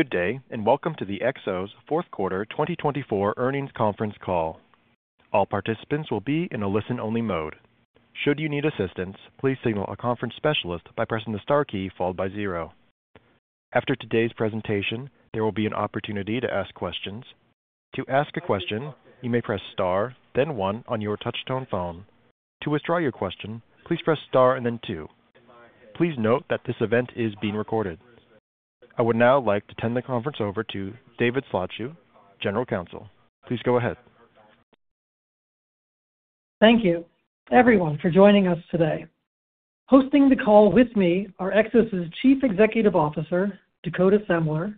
Good day, and welcome to the Xos fourth quarter 2024 earnings conference call. All participants will be in a listen-only mode. Should you need assistance, please signal a conference specialist by pressing the star key followed by zero. After today's presentation, there will be an opportunity to ask questions. To ask a question, you may press star, then one, on your touch-tone phone. To withdraw your question, please press star and then two. Please note that this event is being recorded. I would now like to turn the conference over to David Zlotchew, General Counsel. Please go ahead. Thank you, everyone, for joining us today. Hosting the call with me are Xos' Chief Executive Officer, Dakota Semler,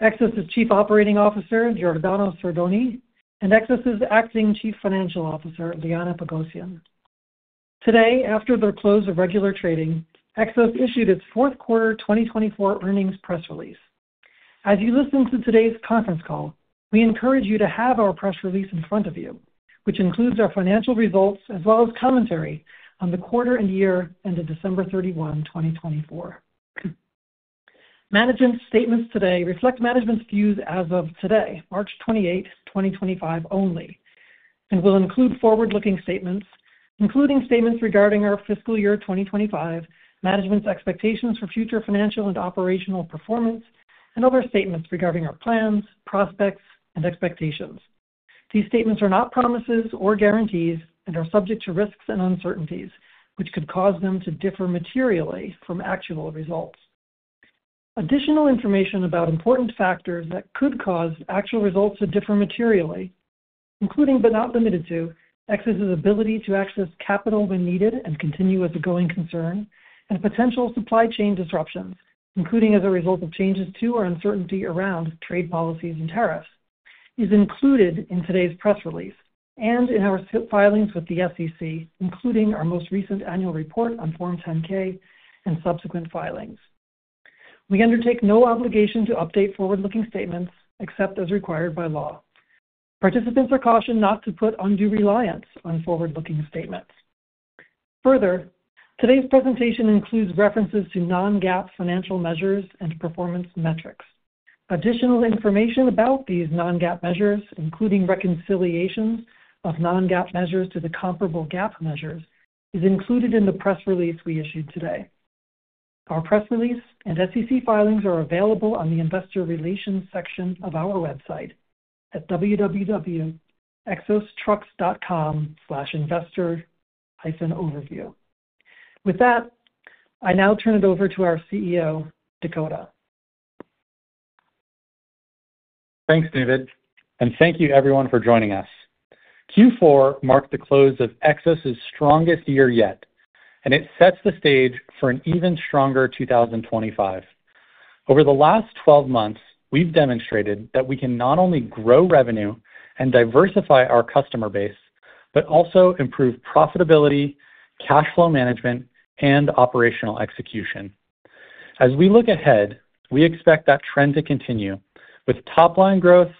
Xos' Chief Operating Officer, Giordano Sordoni, and Xos' Acting Chief Financial Officer, Liana Pogosyan. Today, after the close of regular trading, Xos issued its fourth quarter 2024 earnings press release. As you listen to today's conference call, we encourage you to have our press release in front of you, which includes our financial results as well as commentary on the quarter and year-end of December 31, 2024. Management's statements today reflect management's views as of today, March 28, 2025 only, and will include forward-looking statements, including statements regarding our fiscal year 2025, management's expectations for future financial and operational performance, and other statements regarding our plans, prospects, and expectations. These statements are not promises or guarantees and are subject to risks and uncertainties, which could cause them to differ materially from actual results. Additional information about important factors that could cause actual results to differ materially, including but not limited to, Xos' ability to access capital when needed and continue as a going concern, and potential supply chain disruptions, including as a result of changes to or uncertainty around trade policies and tariffs, is included in today's press release and in our filings with the SEC, including our most recent annual report on Form 10-K and subsequent filings. We undertake no obligation to update forward-looking statements except as required by law. Participants are cautioned not to put undue reliance on forward-looking statements. Further, today's presentation includes references to non-GAAP financial measures and performance metrics. Additional information about these non-GAAP measures, including reconciliations of non-GAAP measures to the comparable GAAP measures, is included in the press release we issued today. Our press release and SEC filings are available on the Investor Relations section of our website at www.xostrucks.com/investor-overview. With that, I now turn it over to our CEO, Dakota. Thanks, David, and thank you, everyone, for joining us. Q4 marked the close of Xos' strongest year yet, and it sets the stage for an even stronger 2025. Over the last 12 months, we've demonstrated that we can not only grow revenue and diversify our customer base but also improve profitability, cash flow management, and operational execution. As we look ahead, we expect that trend to continue with top-line growth,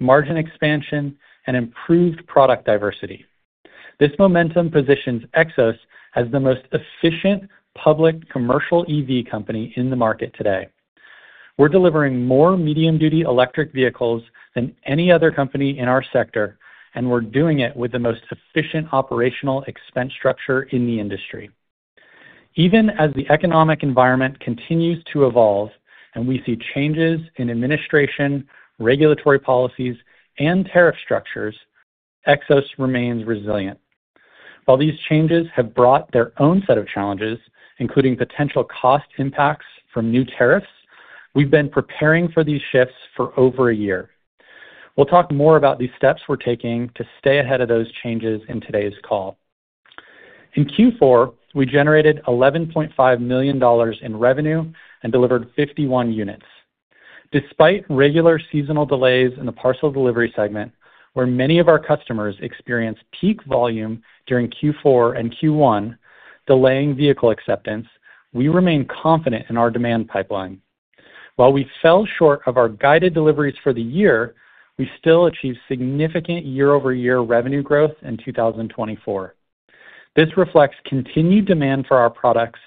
margin expansion, and improved product diversity. This momentum positions Xos as the most efficient public commercial EV company in the market today. We're delivering more medium-duty electric vehicles than any other company in our sector, and we're doing it with the most efficient operational expense structure in the industry. Even as the economic environment continues to evolve and we see changes in administration, regulatory policies, and tariff structures, Xos remains resilient. While these changes have brought their own set of challenges, including potential cost impacts from new tariffs, we've been preparing for these shifts for over a year. We'll talk more about the steps we're taking to stay ahead of those changes in today's call. In Q4, we generated $11.5 million in revenue and delivered 51 units. Despite regular seasonal delays in the parcel delivery segment, where many of our customers experienced peak volume during Q4 and Q1, delaying vehicle acceptance, we remain confident in our demand pipeline. While we fell short of our guided deliveries for the year, we still achieved significant year-over-year revenue growth in 2024. This reflects continued demand for our products,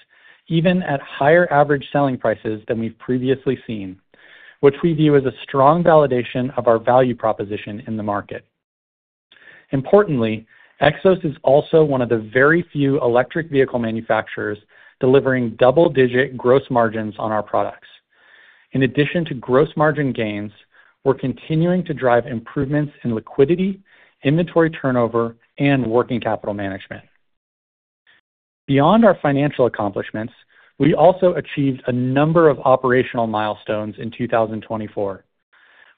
even at higher average selling prices than we've previously seen, which we view as a strong validation of our value proposition in the market. Importantly, Xos is also one of the very few electric vehicle manufacturers delivering double-digit gross margins on our products. In addition to gross margin gains, we're continuing to drive improvements in liquidity, inventory turnover, and working capital management. Beyond our financial accomplishments, we also achieved a number of operational milestones in 2024.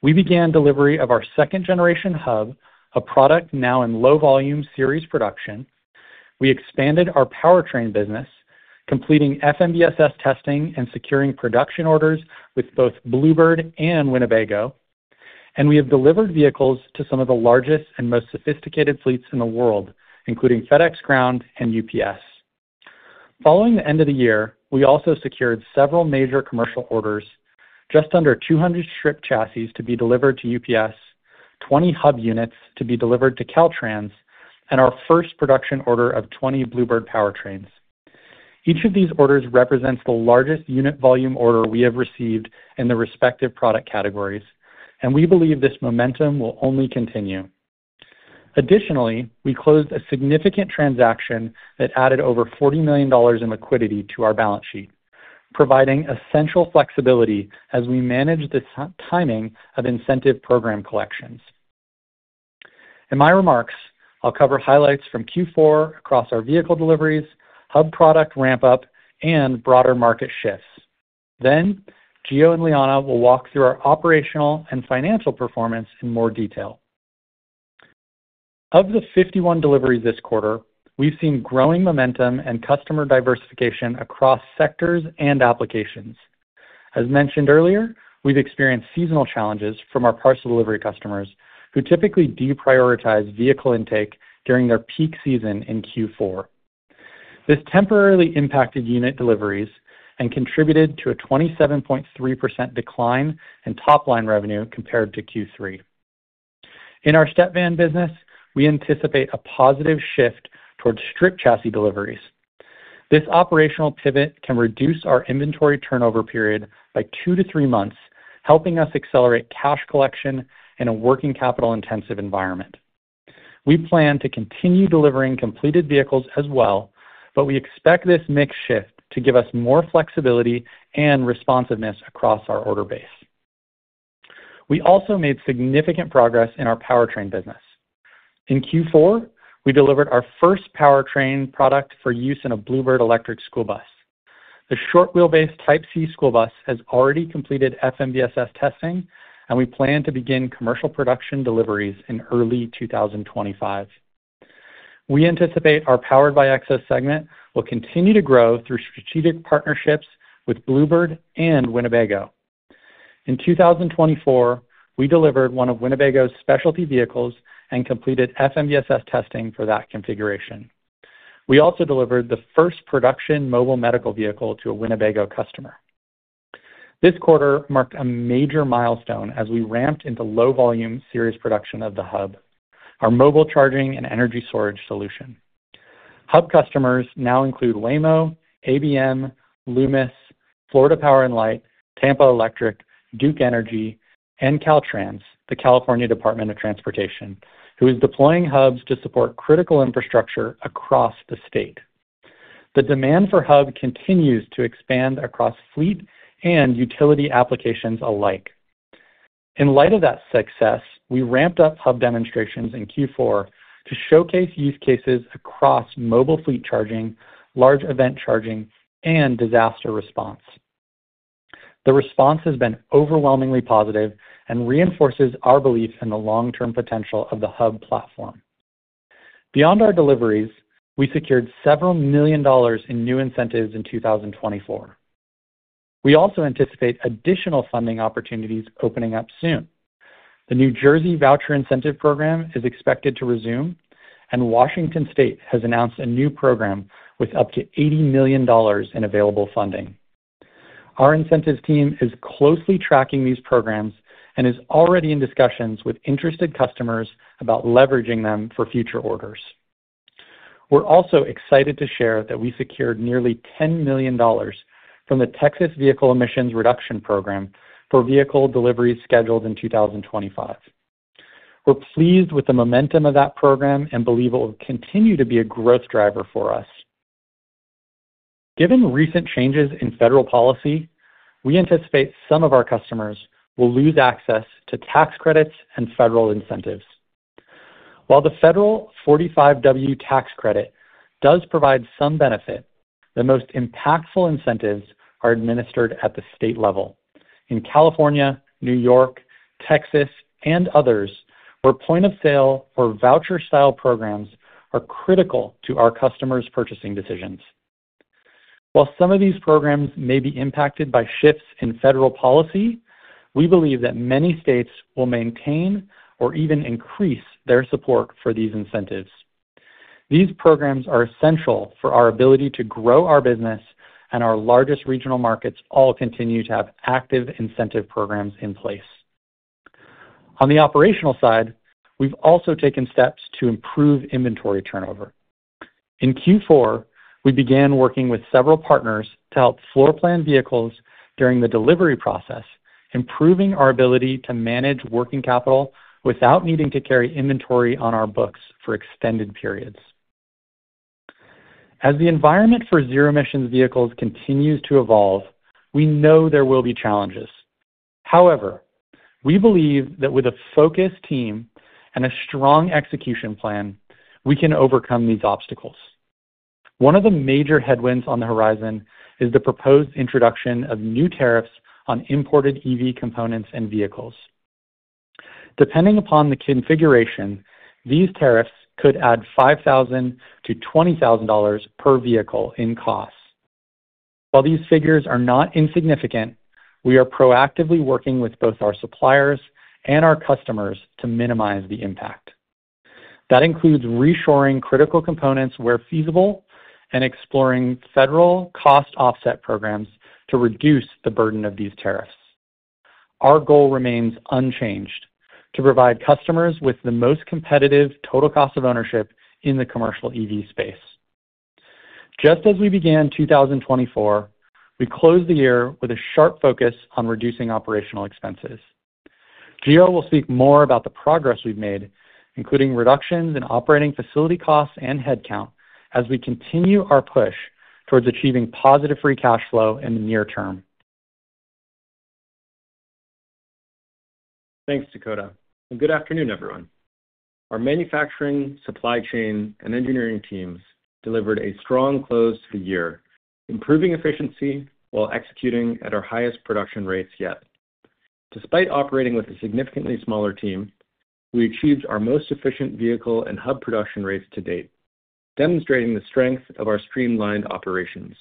We began delivery of our second generation Hub, a product now in low-volume series production. We expanded our powertrain business, completing FMVSS testing and securing production orders with both Blue Bird and Winnebago, and we have delivered vehicles to some of the largest and most sophisticated fleets in the world, including FedEx Ground and UPS. Following the end of the year, we also secured several major commercial orders: just under 200 stripped chassis to be delivered to UPS, 20 Hub units to be delivered to Caltrans, and our first production order of 20 Blue Bird powertrains. Each of these orders represents the largest unit volume order we have received in the respective product categories, and we believe this momentum will only continue. Additionally, we closed a significant transaction that added over $40 million in liquidity to our balance sheet, providing essential flexibility as we manage the timing of incentive program collections. In my remarks, I'll cover highlights from Q4 across our vehicle deliveries, Hub product ramp-up, and broader market shifts. Gio and Liana will walk through our operational and financial performance in more detail. Of the 51 deliveries this quarter, we've seen growing momentum and customer diversification across sectors and applications. As mentioned earlier, we've experienced seasonal challenges from our parcel delivery customers, who typically deprioritize vehicle intake during their peak season in Q4. This temporarily impacted unit deliveries and contributed to a 27.3% decline in top-line revenue compared to Q3. In our stepvan business, we anticipate a positive shift towards stripped chassis deliveries. This operational pivot can reduce our inventory turnover period by two to three months, helping us accelerate cash collection in a working capital-intensive environment. We plan to continue delivering completed vehicles as well, but we expect this mix shift to give us more flexibility and responsiveness across our order base. We also made significant progress in our powertrain business. In Q4, we delivered our first powertrain product for use in a Blue Bird electric school bus. The short-wheelbase Type C school bus has already completed FMVSS testing, and we plan to begin commercial production deliveries in early 2025. We anticipate our Powered by Xos segment will continue to grow through strategic partnerships with Blue Bird and Winnebago. In 2024, we delivered one of Winnebago's specialty vehicles and completed FMVSS testing for that configuration. We also delivered the first production mobile medical vehicle to a Winnebago customer. This quarter marked a major milestone as we ramped into low-volume series production of the Hub, our mobile charging and energy storage solution. Hub customers now include Waymo, ABM, Loomis, Florida Power & Light, Tampa Electric, Duke Energy, and Caltrans, the California Department of Transportation, who is deploying Hubs to support critical infrastructure across the state. The demand for Hub continues to expand across fleet and utility applications alike. In light of that success, we ramped up Hub demonstrations in Q4 to showcase use cases across mobile fleet charging, large event charging, and disaster response. The response has been overwhelmingly positive and reinforces our belief in the long-term potential of the Hub platform. Beyond our deliveries, we secured several million dollars in new incentives in 2024. We also anticipate additional funding opportunities opening up soon. The New Jersey voucher incentive program is expected to resume, and Washington State has announced a new program with up to $80 million in available funding. Our incentive team is closely tracking these programs and is already in discussions with interested customers about leveraging them for future orders. We're also excited to share that we secured nearly $10 million from the Texas Vehicle Emissions Reduction program for vehicle deliveries scheduled in 2025. We're pleased with the momentum of that program and believe it will continue to be a growth driver for us. Given recent changes in federal policy, we anticipate some of our customers will lose access to tax credits and federal incentives. While the federal 45W tax credit does provide some benefit, the most impactful incentives are administered at the state level in California, New York, Texas, and others, where point-of-sale or voucher-style programs are critical to our customers' purchasing decisions. While some of these programs may be impacted by shifts in federal policy, we believe that many states will maintain or even increase their support for these incentives. These programs are essential for our ability to grow our business, and our largest regional markets all continue to have active incentive programs in place. On the operational side, we've also taken steps to improve inventory turnover. In Q4, we began working with several partners to help floor plan vehicles during the delivery process, improving our ability to manage working capital without needing to carry inventory on our books for extended periods. As the environment for zero-emissions vehicles continues to evolve, we know there will be challenges. However, we believe that with a focused team and a strong execution plan, we can overcome these obstacles. One of the major headwinds on the horizon is the proposed introduction of new tariffs on imported EV components and vehicles. Depending upon the configuration, these tariffs could add $5,000-$20,000 per vehicle in cost. While these figures are not insignificant, we are proactively working with both our suppliers and our customers to minimize the impact. That includes reshoring critical components where feasible and exploring federal cost offset programs to reduce the burden of these tariffs. Our goal remains unchanged: to provide customers with the most competitive total cost of ownership in the commercial EV space. Just as we began 2024, we closed the year with a sharp focus on reducing operational expenses. Gio will speak more about the progress we have made, including reductions in operating facility costs and headcount, as we continue our push towards achieving positive free cash flow in the near term. Thanks, Dakota. Good afternoon, everyone. Our manufacturing, supply chain, and engineering teams delivered a strong close to the year, improving efficiency while executing at our highest production rates yet. Despite operating with a significantly smaller team, we achieved our most efficient vehicle and Hub production rates to date, demonstrating the strength of our streamlined operations.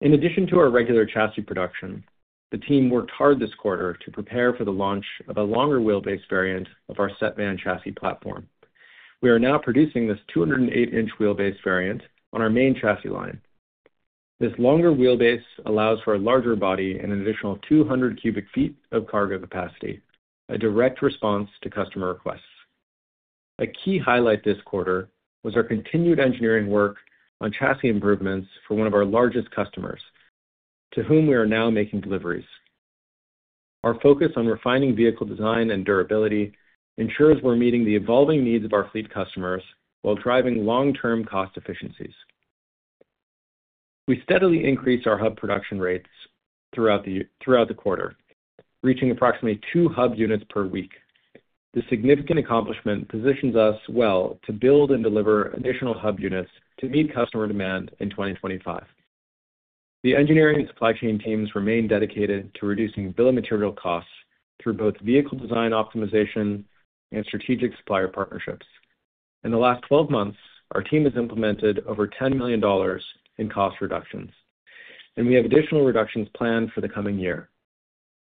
In addition to our regular chassis production, the team worked hard this quarter to prepare for the launch of a longer wheelbase variant of our stepvan chassis platform. We are now producing this 208-inch wheelbase variant on our main chassis line. This longer wheelbase allows for a larger body and an additional 200 cu ft of cargo capacity, a direct response to customer requests. A key highlight this quarter was our continued engineering work on chassis improvements for one of our largest customers, to whom we are now making deliveries. Our focus on refining vehicle design and durability ensures we're meeting the evolving needs of our fleet customers while driving long-term cost efficiencies. We steadily increased our Hub production rates throughout the quarter, reaching approximately two Hub units per week. This significant accomplishment positions us well to build and deliver additional Hub units to meet customer demand in 2025. The engineering and supply chain teams remain dedicated to reducing bill of material costs through both vehicle design optimization and strategic supplier partnerships. In the last 12 months, our team has implemented over $10 million in cost reductions, and we have additional reductions planned for the coming year.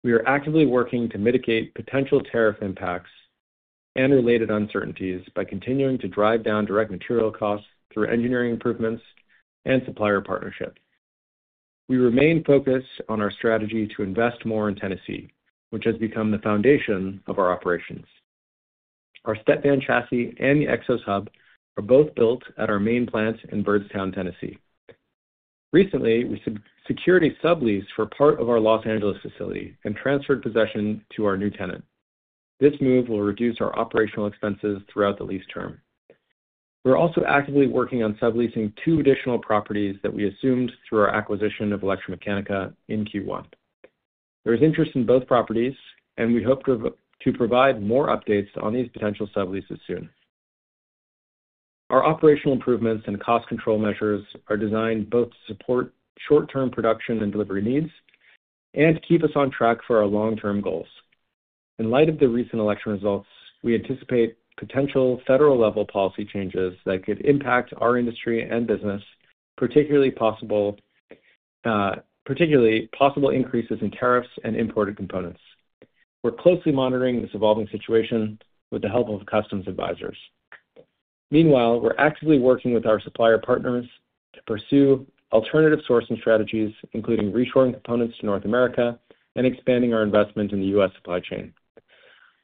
We are actively working to mitigate potential tariff impacts and related uncertainties by continuing to drive down direct material costs through engineering improvements and supplier partnerships. We remain focused on our strategy to invest more in Tennessee, which has become the foundation of our operations. Our stepvan chassis and the Xos Hub are both built at our main plant in Byrdstown, Tennessee. Recently, we secured a sublease for part of our Los Angeles facility and transferred possession to our new tenant. This move will reduce our operational expenses throughout the lease term. We're also actively working on subleasing two additional properties that we assumed through our acquisition of ElectraMeccanica in Q1. There is interest in both properties, and we hope to provide more updates on these potential subleases soon. Our operational improvements and cost control measures are designed both to support short-term production and delivery needs and to keep us on track for our long-term goals. In light of the recent election results, we anticipate potential federal-level policy changes that could impact our industry and business, particularly possible increases in tariffs and imported components. We're closely monitoring this evolving situation with the help of customs advisors. Meanwhile, we're actively working with our supplier partners to pursue alternative sourcing strategies, including reshoring components to North America and expanding our investment in the U.S. supply chain.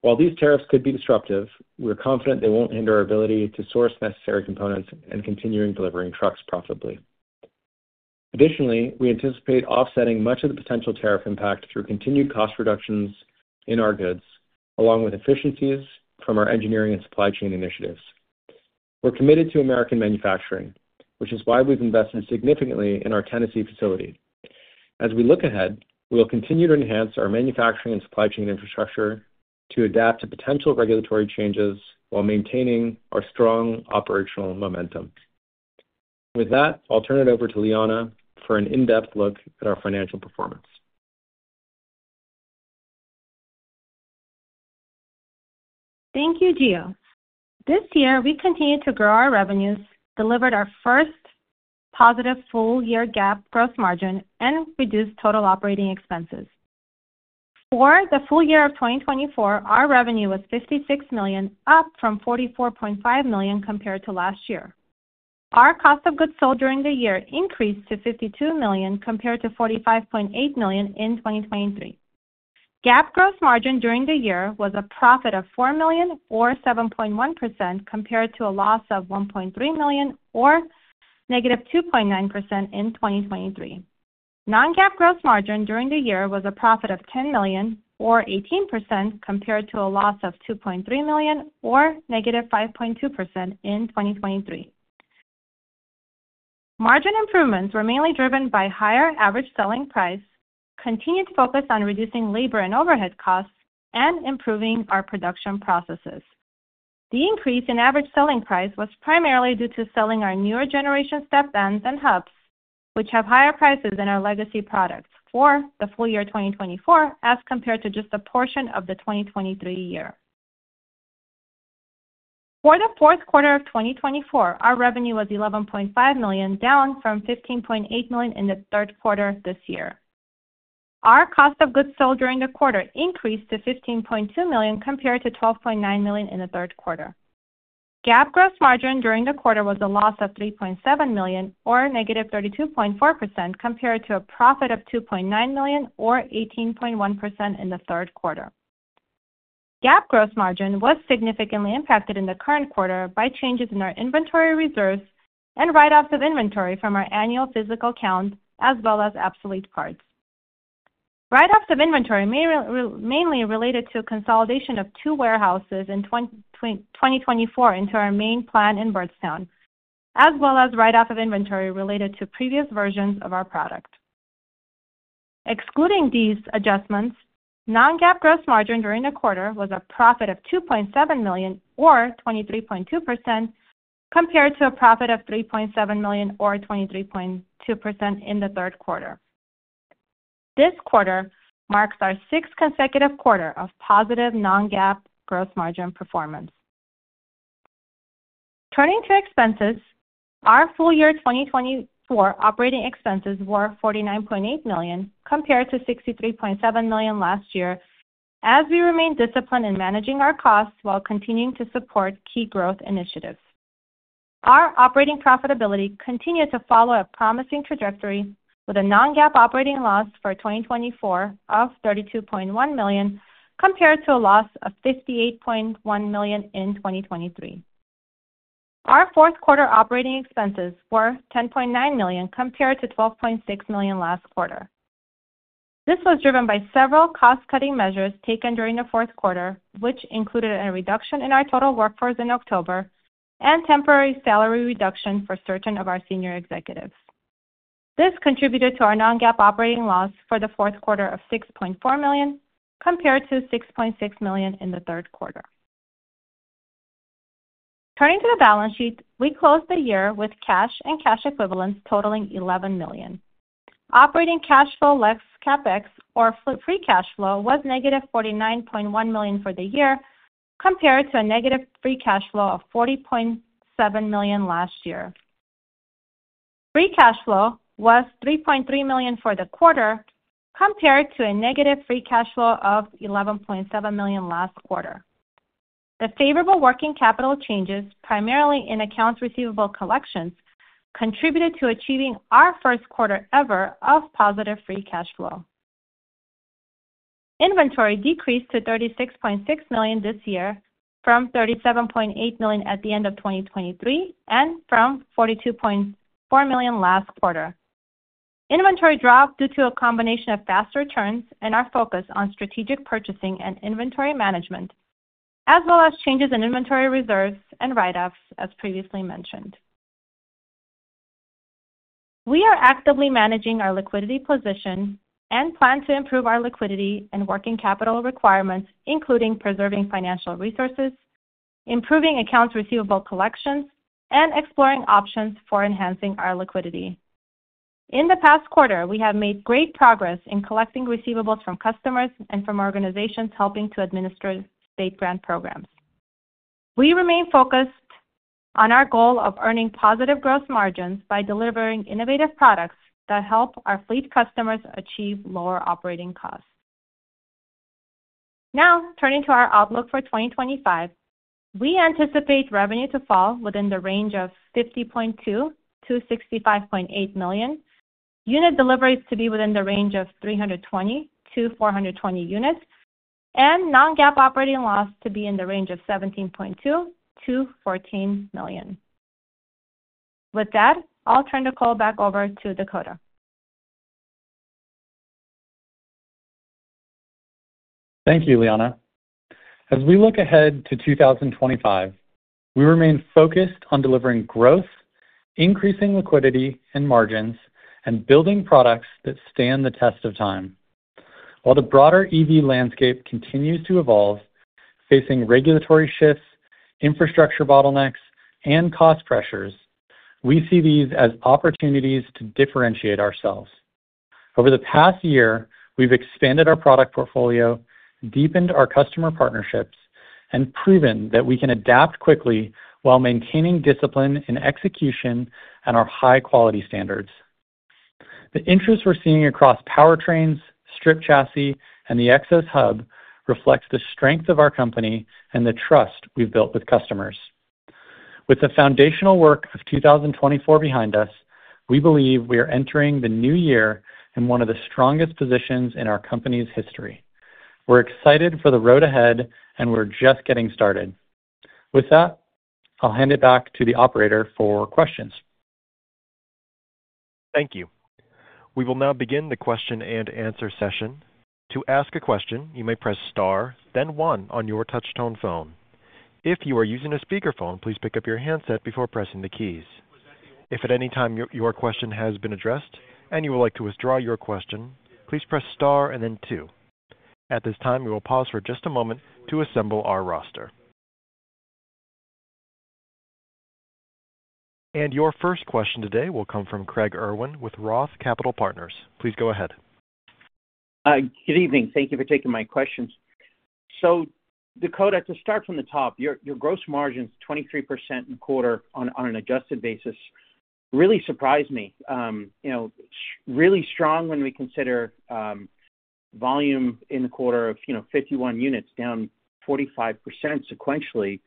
While these tariffs could be disruptive, we're confident they won't hinder our ability to source necessary components and continue delivering trucks profitably. Additionally, we anticipate offsetting much of the potential tariff impact through continued cost reductions in our goods, along with efficiencies from our engineering and supply chain initiatives. We're committed to American manufacturing, which is why we've invested significantly in our Tennessee facility. As we look ahead, we'll continue to enhance our manufacturing and supply chain infrastructure to adapt to potential regulatory changes while maintaining our strong operational momentum. With that, I'll turn it over to Liana for an in-depth look at our financial performance. Thank you, Gio. This year, we continued to grow our revenues, delivered our first positive full-year GAAP gross margin, and reduced total operating expenses. For the full year of 2024, our revenue was $56 million, up from $44.5 million compared to last year. Our cost of goods sold during the year increased to $52 million compared to $45.8 million in 2023. GAAP gross margin during the year was a profit of $4 million or 7.1% compared to a loss of $1.3 million or -2.9% in 2023. Non-GAAP gross margin during the year was a profit of $10 million or 18% compared to a loss of $2.3 million or -5.2% in 2023. Margin improvements were mainly driven by higher average selling price, continued focus on reducing labor and overhead costs, and improving our production processes. The increase in average selling price was primarily due to selling our newer generation stepvans and Hubs, which have higher prices than our legacy products for the full year 2024 as compared to just a portion of the 2023 year. For the fourth quarter of 2024, our revenue was $11.5 million, down from $15.8 million in the third quarter this year. Our cost of goods sold during the quarter increased to $15.2 million compared to $12.9 million in the third quarter. GAAP gross margin during the quarter was a loss of $3.7 million or -32.4% compared to a profit of $2.9 million or 18.1% in the third quarter. GAAP gross margin was significantly impacted in the current quarter by changes in our inventory reserves and write-offs of inventory from our annual physical count, as well as obsolete parts. Write-offs of inventory mainly related to consolidation of two warehouses in 2024 into our main plant in Byrdstown, as well as write-offs of inventory related to previous versions of our product. Excluding these adjustments, non-GAAP gross margin during the quarter was a profit of $2.7 million or 23.2% compared to a profit of $3.7 million or 23.2% in the third quarter. This quarter marks our sixth consecutive quarter of positive non-GAAP gross margin performance. Turning to expenses, our full year 2024 operating expenses were $49.8 million compared to $63.7 million last year, as we remain disciplined in managing our costs while continuing to support key growth initiatives. Our operating profitability continued to follow a promising trajectory, with a non-GAAP operating loss for 2024 of $32.1 million compared to a loss of $58.1 million in 2023. Our fourth quarter operating expenses were $10.9 million compared to $12.6 million last quarter. This was driven by several cost-cutting measures taken during the fourth quarter, which included a reduction in our total workforce in October and temporary salary reduction for certain of our senior executives. This contributed to our non-GAAP operating loss for the fourth quarter of $6.4 million compared to $6.6 million in the third quarter. Turning to the balance sheet, we closed the year with cash and cash equivalents totaling $11 million. Operating cash flow less CapEx, or free cash flow, was -$49.1 million for the year compared to a negative free cash flow of $40.7 million last year. Free cash flow was $3.3 million for the quarter compared to a negative free cash flow of $11.7 million last quarter. The favorable working capital changes, primarily in accounts receivable collections, contributed to achieving our first quarter ever of positive free cash flow. Inventory decreased to $36.6 million this year, from $37.8 million at the end of 2023 and from $42.4 million last quarter. Inventory dropped due to a combination of fast turns and our focus on strategic purchasing and inventory management, as well as changes in inventory reserves and write-offs, as previously mentioned. We are actively managing our liquidity position and plan to improve our liquidity and working capital requirements, including preserving financial resources, improving accounts receivable collections, and exploring options for enhancing our liquidity. In the past quarter, we have made great progress in collecting receivables from customers and from organizations helping to administer state grant programs. We remain focused on our goal of earning positive gross margins by delivering innovative products that help our fleet customers achieve lower operating costs. Now, turning to our outlook for 2025, we anticipate revenue to fall within the range of $50.2 million-$65.8 million, unit deliveries to be within the range of 320-420 units, and non-GAAP operating loss to be in the range of $17.2 million-$14 million. With that, I'll turn the call back over to Dakota. Thank you, Liana. As we look ahead to 2025, we remain focused on delivering growth, increasing liquidity and margins, and building products that stand the test of time. While the broader EV landscape continues to evolve, facing regulatory shifts, infrastructure bottlenecks, and cost pressures, we see these as opportunities to differentiate ourselves. Over the past year, we've expanded our product portfolio, deepened our customer partnerships, and proven that we can adapt quickly while maintaining discipline in execution and our high-quality standards. The interest we're seeing across powertrains, stripped chassis, and the Xos Hub reflects the strength of our company and the trust we've built with customers. With the foundational work of 2024 behind us, we believe we are entering the new year in one of the strongest positions in our company's history. We're excited for the road ahead, and we're just getting started. With that, I'll hand it back to the Operator for questions. Thank you. We will now begin the question and answer session. To ask a question, you may press star, then one on your touch-tone phone. If you are using a speakerphone, please pick up your handset before pressing the keys. If at any time your question has been addressed and you would like to withdraw your question, please press star and then two. At this time, we will pause for just a moment to assemble our roster. Your first question today will come from Craig Irwin with Roth Capital Partners. Please go ahead. Good evening. Thank you for taking my questions. Dakota, to start from the top, your gross margins, 23% in the quarter on an adjusted basis, really surprised me. Really strong when we consider volume in the quarter of 51 units, down 45% sequentially,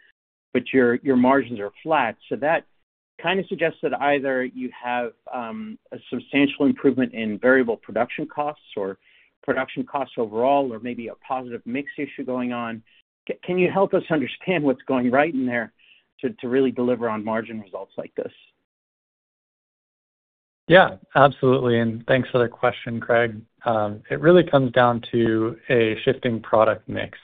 but your margins are flat. That kind of suggests that either you have a substantial improvement in variable production costs or production costs overall, or maybe a positive mix issue going on. Can you help us understand what's going right in there to really deliver on margin results like this? Yeah, absolutely. Thanks for the question, Craig. It really comes down to a shifting product mix.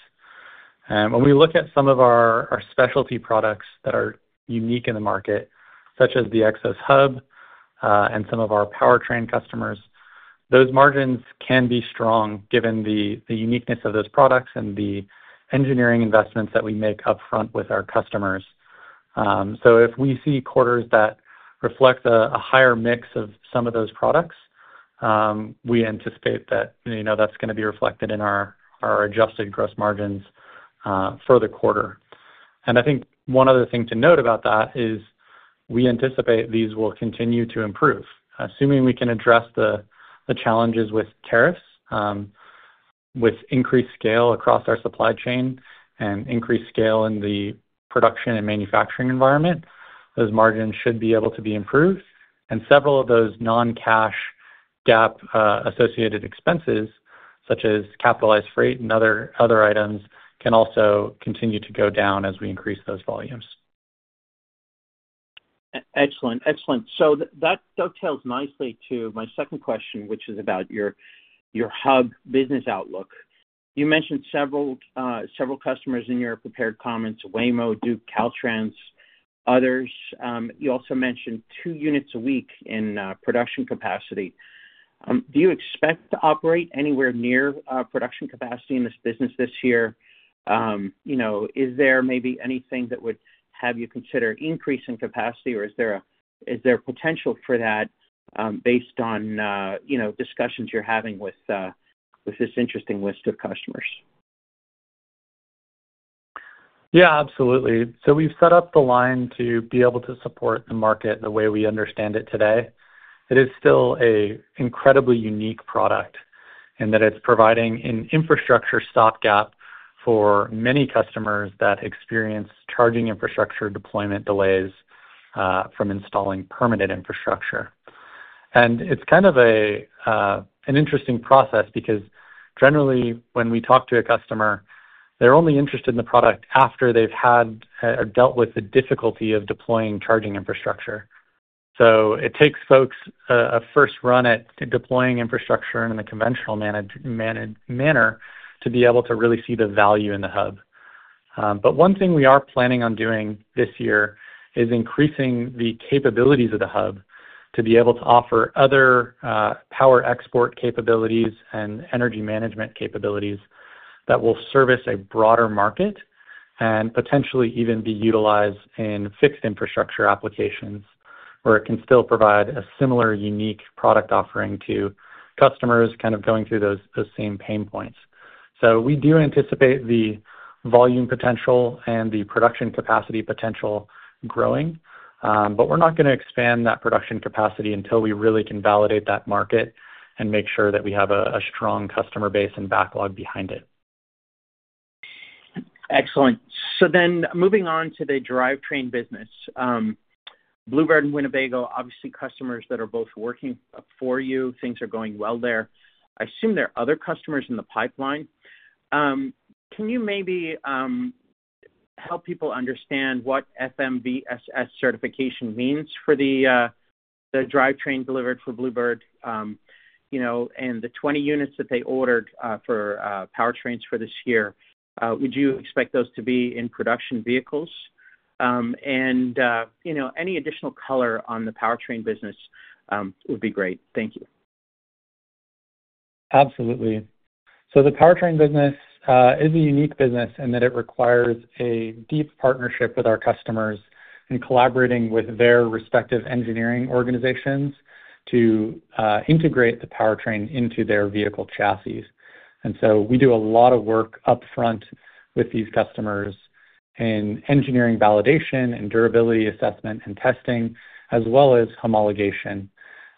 When we look at some of our specialty products that are unique in the market, such as the Xos Hub and some of our powertrain customers, those margins can be strong given the uniqueness of those products and the engineering investments that we make upfront with our customers. If we see quarters that reflect a higher mix of some of those products, we anticipate that is going to be reflected in our adjusted gross margins for the quarter. I think one other thing to note about that is we anticipate these will continue to improve. Assuming we can address the challenges with tariffs, with increased scale across our supply chain, and increased scale in the production and manufacturing environment, those margins should be able to be improved. Several of those non-cash GAAP-associated expenses, such as capitalized freight and other items, can also continue to go down as we increase those volumes. Excellent. Excellent. That dovetails nicely to my second question, which is about your Hub business outlook. You mentioned several customers in your prepared comments: Waymo, Duke, Caltrans, others. You also mentioned two units a week in production capacity. Do you expect to operate anywhere near production capacity in this business this year? Is there maybe anything that would have you consider increasing capacity, or is there potential for that based on discussions you're having with this interesting list of customers? Yeah, absolutely. We have set up the line to be able to support the market the way we understand it today. It is still an incredibly unique product in that it is providing an infrastructure stopgap for many customers that experience charging infrastructure deployment delays from installing permanent infrastructure. It is kind of an interesting process because, generally, when we talk to a customer, they are only interested in the product after they have had or dealt with the difficulty of deploying charging infrastructure. It takes folks a first run at deploying infrastructure in a conventional manner to be able to really see the value in the Hub. One thing we are planning on doing this year is increasing the capabilities of the Hub to be able to offer other power export capabilities and energy management capabilities that will service a broader market and potentially even be utilized in fixed infrastructure applications where it can still provide a similar unique product offering to customers kind of going through those same pain points. We do anticipate the volume potential and the production capacity potential growing, but we're not going to expand that production capacity until we really can validate that market and make sure that we have a strong customer base and backlog behind it. Excellent. Moving on to the drivetrain business, Blue Bird and Winnebago, obviously customers that are both working for you. Things are going well there. I assume there are other customers in the pipeline. Can you maybe help people understand what FMVSS certification means for the drivetrain delivered for Blue Bird and the 20 units that they ordered for powertrains for this year? Would you expect those to be in production vehicles? Any additional color on the powertrain business would be great. Thank you. Absolutely. The powertrain business is a unique business in that it requires a deep partnership with our customers and collaborating with their respective engineering organizations to integrate the powertrain into their vehicle chassis. We do a lot of work upfront with these customers in engineering validation and durability assessment and testing, as well as homologation.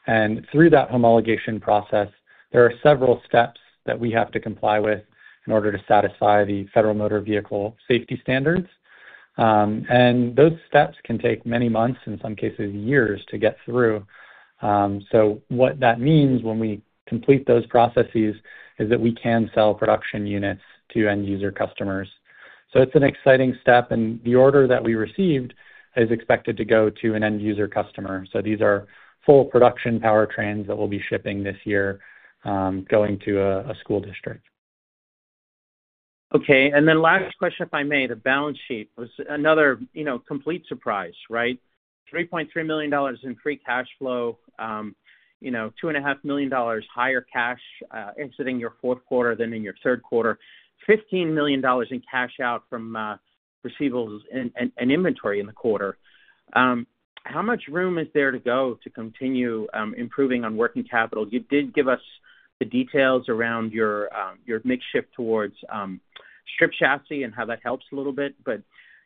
Through that homologation process, there are several steps that we have to comply with in order to satisfy the Federal Motor Vehicle Safety Standards. Those steps can take many months, in some cases years, to get through. What that means when we complete those processes is that we can sell production units to end-user customers. It is an exciting step, and the order that we received is expected to go to an end-user customer. These are full production powertrains that we'll be shipping this year going to a school district. Okay. Last question, if I may, the balance sheet was another complete surprise, right? $3.3 million in free cash flow, $2.5 million higher cash exiting your fourth quarter than in your third quarter, $15 million in cash out from receivables and inventory in the quarter. How much room is there to go to continue improving on working capital? You did give us the details around your mix shift towards stripped chassis and how that helps a little bit, but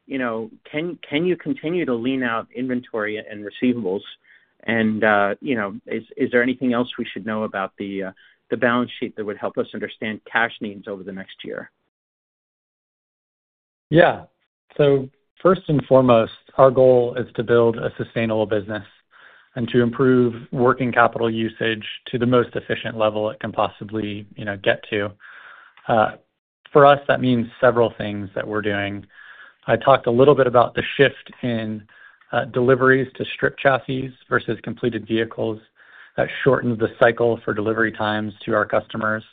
can you continue to lean out inventory and receivables? Is there anything else we should know about the balance sheet that would help us understand cash needs over the next year? Yeah. First and foremost, our goal is to build a sustainable business and to improve working capital usage to the most efficient level it can possibly get to. For us, that means several things that we're doing. I talked a little bit about the shift in deliveries to stripped chassis versus completed vehicles that shortens the cycle for delivery times to our customers.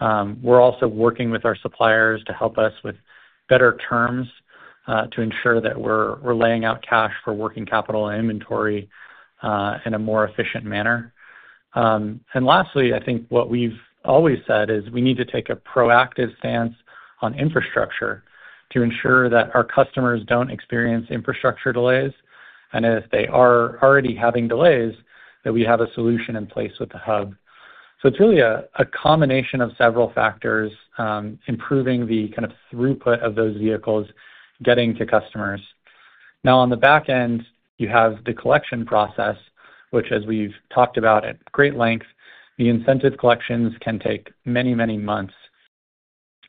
We're also working with our suppliers to help us with better terms to ensure that we're laying out cash for working capital and inventory in a more efficient manner. Lastly, I think what we've always said is we need to take a proactive stance on infrastructure to ensure that our customers don't experience infrastructure delays. If they are already having delays, we have a solution in place with the Hub. It is really a combination of several factors improving the kind of throughput of those vehicles getting to customers. Now, on the back end, you have the collection process, which, as we've talked about at great length, the incentive collections can take many, many months.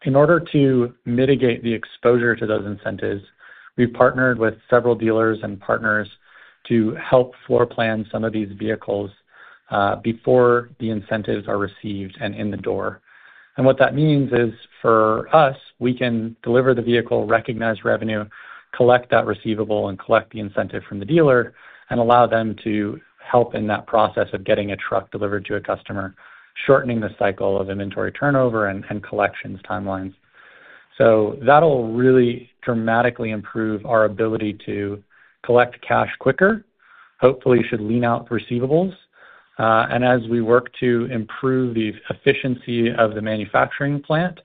In order to mitigate the exposure to those incentives, we've partnered with several dealers and partners to help floor plan some of these vehicles before the incentives are received and in the door. What that means is, for us, we can deliver the vehicle, recognize revenue, collect that receivable, and collect the incentive from the dealer, and allow them to help in that process of getting a truck delivered to a customer, shortening the cycle of inventory turnover and collections timelines. That will really dramatically improve our ability to collect cash quicker. Hopefully, we should lean out receivables. As we work to improve the efficiency of the manufacturing plant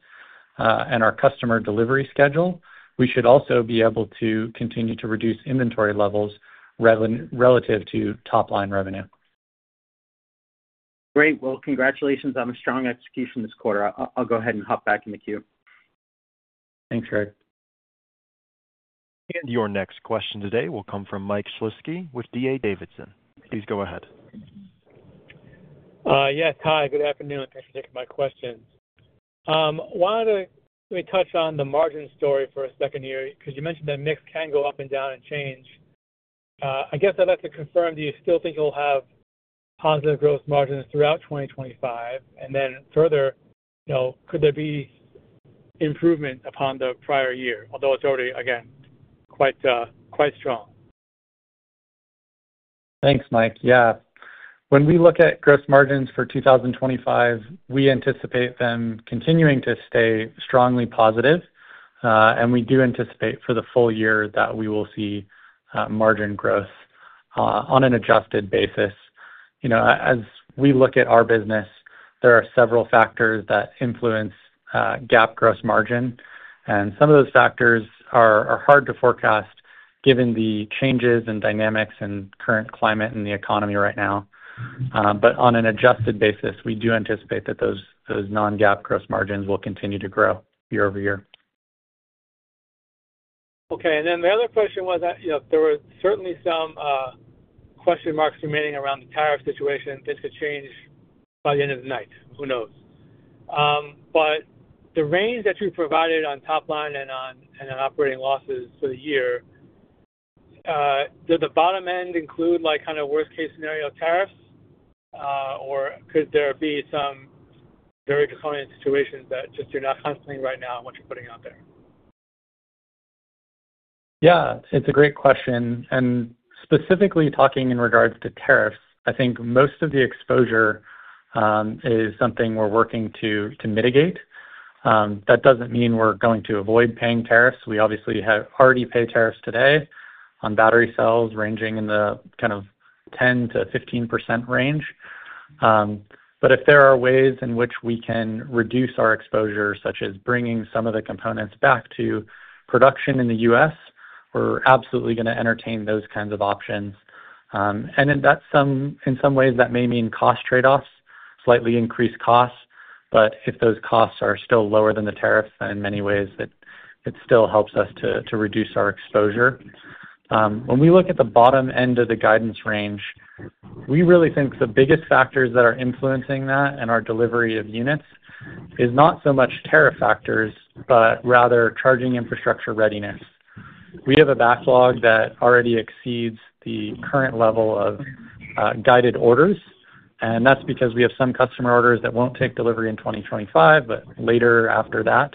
and our customer delivery schedule, we should also be able to continue to reduce inventory levels relative to top-line revenue. Great. Congratulations on a strong execution this quarter. I'll go ahead and hop back in the queue. Thanks, Craig. Your next question today will come from Mike Shlisky with D.A. Davidson. Please go ahead. Yes, hi. Good afternoon. Thanks for taking my question. Why don't we touch on the margin story for a second here? Because you mentioned that mix can go up and down and change. I guess I'd like to confirm, do you still think you'll have positive gross margins throughout 2025? Further, could there be improvement upon the prior year, although it's already, again, quite strong? Thanks, Mike. Yeah. When we look at gross margins for 2025, we anticipate them continuing to stay strongly positive. We do anticipate for the full year that we will see margin growth on an adjusted basis. As we look at our business, there are several factors that influence GAAP gross margin. Some of those factors are hard to forecast given the changes and dynamics and current climate in the economy right now. On an adjusted basis, we do anticipate that those non-GAAP gross margins will continue to grow year-over-year. Okay. The other question was that there were certainly some question marks remaining around the tariff situation. This could change by the end of the night. Who knows? The range that you provided on top line and on operating losses for the year, does the bottom end include kind of worst-case scenario tariffs, or could there be some very disappointing situations that just you're not contemplating right now what you're putting out there? Yeah. It's a great question. Specifically talking in regards to tariffs, I think most of the exposure is something we're working to mitigate. That does not mean we're going to avoid paying tariffs. We obviously already pay tariffs today on battery cells ranging in the kind of 10%-15% range. If there are ways in which we can reduce our exposure, such as bringing some of the components back to production in the U.S., we're absolutely going to entertain those kinds of options. In some ways, that may mean cost trade-offs, slightly increased costs. If those costs are still lower than the tariffs, then in many ways, it still helps us to reduce our exposure. When we look at the bottom end of the guidance range, we really think the biggest factors that are influencing that and our delivery of units is not so much tariff factors, but rather charging infrastructure readiness. We have a backlog that already exceeds the current level of guided orders. That is because we have some customer orders that will not take delivery in 2025, but later after that.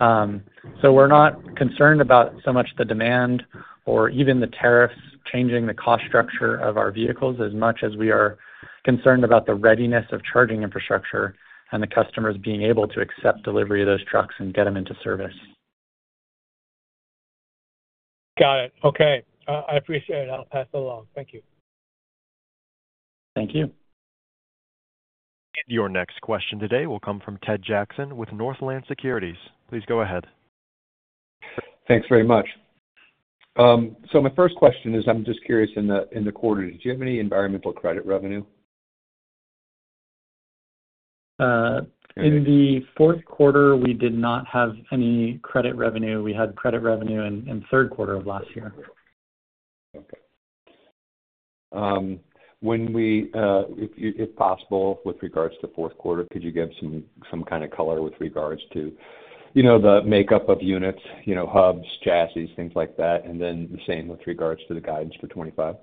We are not concerned about so much the demand or even the tariffs changing the cost structure of our vehicles as much as we are concerned about the readiness of charging infrastructure and the customers being able to accept delivery of those trucks and get them into service. Got it. Okay. I appreciate it. I'll pass it along. Thank you. Thank you. Your next question today will come from Ted Jackson with Northland Securities. Please go ahead. Thanks very much. My first question is, I'm just curious in the quarter, did you have any environmental credit revenue? In the fourth quarter, we did not have any credit revenue. We had credit revenue in the third quarter of last year. Okay. If possible, with regards to fourth quarter, could you give some kind of color with regards to the makeup of units, Hubs, chassis, things like that, and then the same with regards to the guidance for 2025?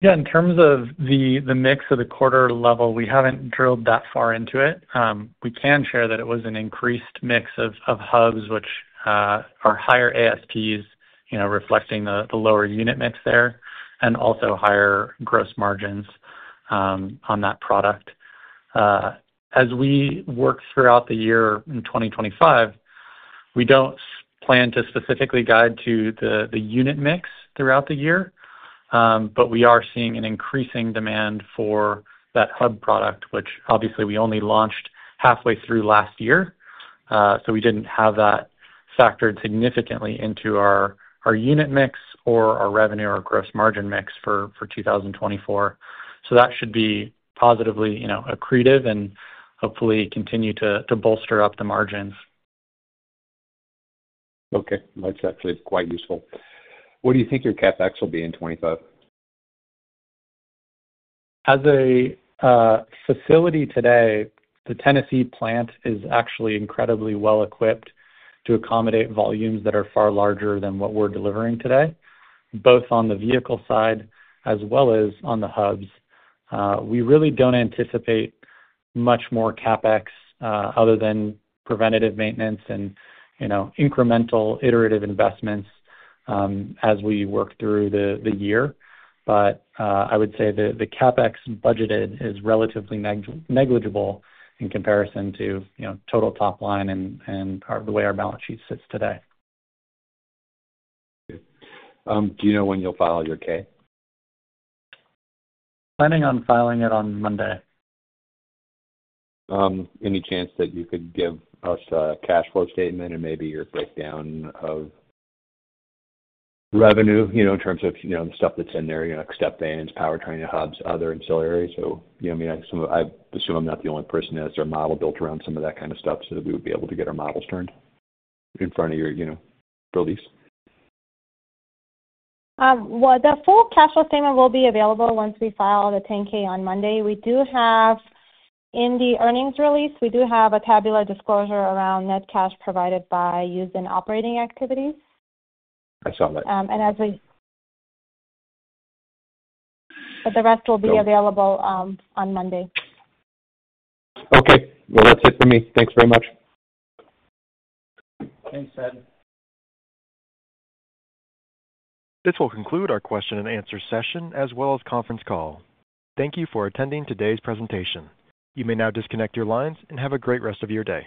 Yeah. In terms of the mix of the quarter level, we have not drilled that far into it. We can share that it was an increased mix of Hubs, which are higher ASPs, reflecting the lower unit mix there, and also higher gross margins on that product. As we work throughout the year in 2025, we do not plan to specifically guide to the unit mix throughout the year, but we are seeing an increasing demand for that Hub product, which obviously we only launched halfway through last year. We did not have that factored significantly into our unit mix or our revenue or gross margin mix for 2024. That should be positively accretive and hopefully continue to bolster up the margins. Okay. That's actually quite useful. What do you think your CapEx will be in 2025? As a facility today, the Tennessee plant is actually incredibly well-equipped to accommodate volumes that are far larger than what we're delivering today, both on the vehicle side as well as on the Hubs. We really don't anticipate much more CapEx other than preventative maintenance and incremental iterative investments as we work through the year. I would say the CapEx budgeted is relatively negligible in comparison to total top line and the way our balance sheet sits today. Okay. Do you know when you'll file your K? We're planning on filing it on Monday. Any chance that you could give us a cash flow statement and maybe your breakdown of revenue in terms of the stuff that's in there, stepvans, powertrain, Hubs, other ancillary? I mean, I assume I'm not the only person that has their model built around some of that kind of stuff so that we would be able to get our models turned in front of your release. The full cash flow statement will be available once we file the 10-K on Monday. In the earnings release, we do have a tabular disclosure around net cash provided by use in operating activities. I saw that. The rest will be available on Monday. Okay. That's it for me. Thanks very much. Thanks, Ted. This will conclude our question-and-answer session as well as conference call. Thank you for attending today's presentation. You may now disconnect your lines and have a great rest of your day.